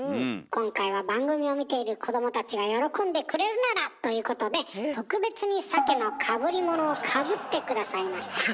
今回は番組を見ている子どもたちが喜んでくれるならということで特別にサケのかぶり物をかぶって下さいました。